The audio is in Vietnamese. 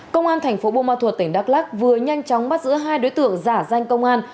công an thành phố bô ma thuật tỉnh đắk lắc vừa nhanh chóng bắt giữ hai đối tượng giả danh công an